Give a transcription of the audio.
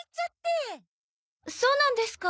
そうなんですか。